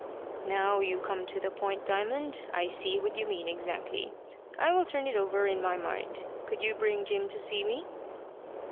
"Now you come to the point, Diamond. I see what you mean, exactly. I will turn it over in my mind. Could you bring Jim to see me?"